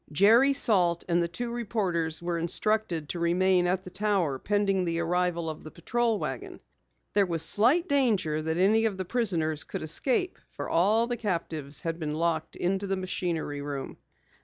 Jerry, Salt, and the two reporters were instructed to remain at the Tower pending the arrival of the patrol wagon. There was slight danger that any of the prisoners could escape for all the captives had been locked into the machinery room.